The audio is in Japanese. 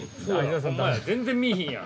◆全然見いひんやん。